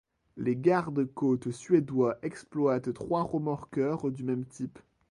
Les garde-côtes suédois exploitent trois remorqueurs du même type.